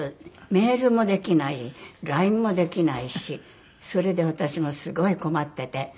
メールもできないＬＩＮＥもできないしそれで私もすごい困ってて。